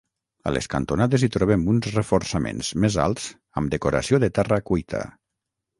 A les cantonades hi trobem uns reforçaments més alts amb decoració de terra cuita.